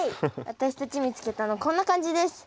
私たち見つけたのこんな感じです。